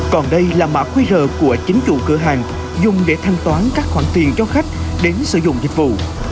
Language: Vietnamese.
còn đây là mã qr của chính chủ cửa hàng dùng để thanh toán các khoản tiền cho khách đến sử dụng dịch vụ